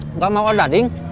enggak mau ada ding